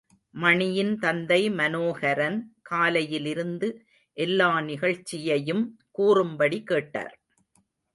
மணியின் தந்தை மனோகரன், காலையிலிருந்து எல்லா நிகழ்ச்சியையும் கூறும் படி கேட்டார்.